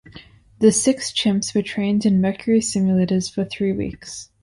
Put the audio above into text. The six chimps were trained in Mercury simulators for three weeks.